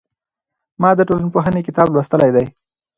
ما د ټولنپوهنې کتاب لوستلی دی.